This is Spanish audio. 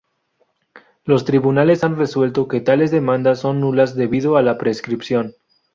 Los tribunales han resuelto que tales demandas son nulas debido a la prescripción.